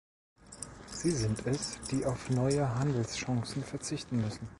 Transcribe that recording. Sie sind es, die auf neue Handelschancen verzichten müssen.